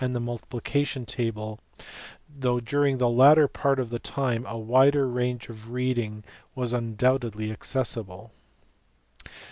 the multiplication table, though during the latter part of the time a wider range of reading was undoubtedly accessible.